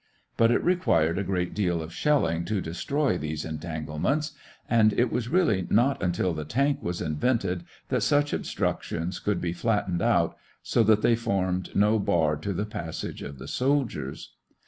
But it required a great deal of shelling to destroy these entanglements, and it was really not until the tank was invented that such obstructions could be flattened out so that they formed no bar to the passage of the soldiers.